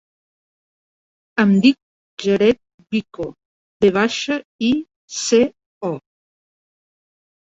Em dic Jared Vico: ve baixa, i, ce, o.